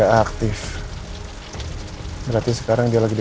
aku sudah selesai